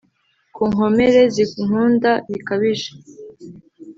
ku nkomere zinkunda ibikabije